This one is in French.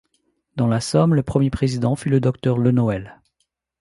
Dans la Somme, le premier président fut le docteur Lenoël.